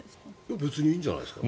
別にいいんじゃないですか。